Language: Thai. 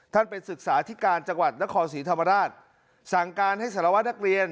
ท่านเป็นศึกษาทิการจังหวัดนครศิรธรรมดาดสั่งการให้สารวัตรนักเรียน